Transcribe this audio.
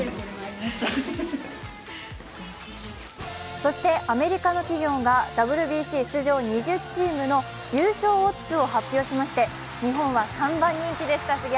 そしてアメリカの企業がＷＢＣ出場２０チームの優勝オッズを発表しまして日本は３番人気でした。